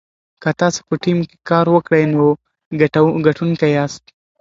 که تاسي په ټیم کې کار وکړئ نو ګټونکي یاست.